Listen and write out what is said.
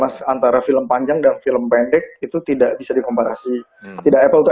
mas antara film panjang dan film pendek itu tidak bisa dikomparasi tidak apple to